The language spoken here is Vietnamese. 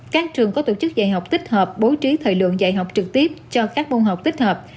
các trường có tổ chức dạy học tích hợp bố trí thời lượng dạy học trực tiếp cho các môn học tích hợp